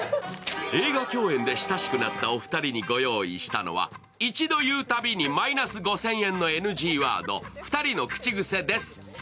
映画共演で親しくなったお二人にご用意したのは一度言うたびにマイナス５０００円のＮＧワード、２人の口癖です。